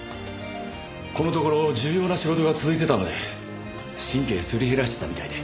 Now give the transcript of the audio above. このところ重要な仕事が続いてたので神経すり減らしてたみたいで。